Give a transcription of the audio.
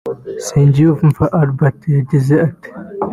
Nsengiyumva Albert yagize ati